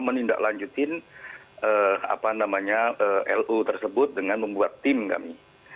menindaklanjutin lu tersebut dengan membuat tim kami